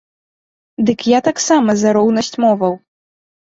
Дык я таксама за роўнасць моваў.